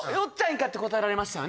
イカって答えられましたよね？